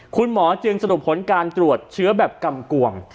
คุณหมอจึงสรุปผลการตรวจเชื้อแบบกำกวง